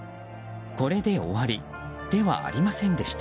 これで終わりではありませんでした。